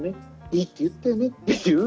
いいって言ったよね？」っていう。